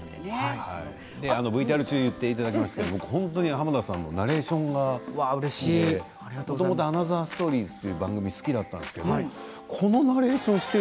ＶＴＲ中に言っていただきましたけど僕は本当に濱田さんのナレーションが好きで、もともと「アナザーストーリーズ」という番組が好きだったんですけどこのナレーションをしている